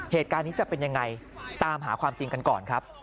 เหตุการณ์นี้จะเป็นยังไงตามหาความจริงกันก่อนครับ